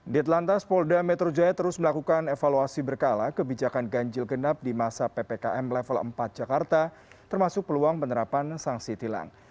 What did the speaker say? di telantas polda metro jaya terus melakukan evaluasi berkala kebijakan ganjil genap di masa ppkm level empat jakarta termasuk peluang penerapan sanksi tilang